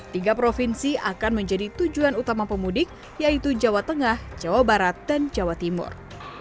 tiga provinsi akan menjadi tujuan utama pemudik yaitu jawa tengah jawa barat dan jawa timur